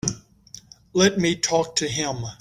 Let me talk to him.